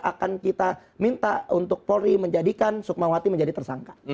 akan kita minta untuk polri menjadikan sukmawati menjadi tersangka